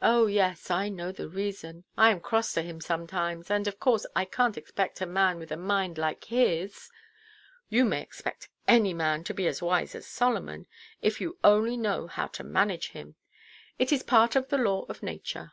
"Oh yes, I know the reason. I am cross to him sometimes. And of course I canʼt expect a man with a mind like his——" "You may expect any man to be as wise as Solomon, if you only know how to manage him. It is part of the law of nature."